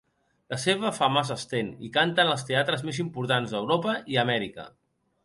La seva fama s’estén i canta en els teatres més importants d’Europa i Amèrica.